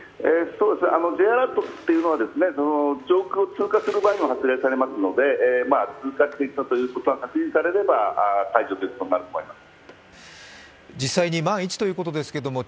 Ｊアラートというのは上空を通過する場合にも発令されますので通過していったということが確認されればと思います。